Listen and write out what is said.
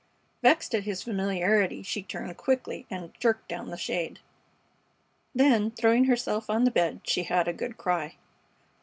Vexed at his familiarity, she turned quickly and jerked down the shade; then throwing herself on the bed, she had a good cry.